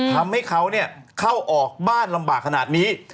ทำให้เขาเข้าออกบ้านลำบากขนาดนี้